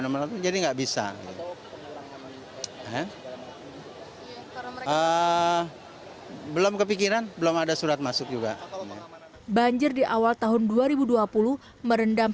nomor satu jadi enggak bisa belum kepikiran belum ada surat masuk juga banjir di awal tahun dua ribu dua puluh merendam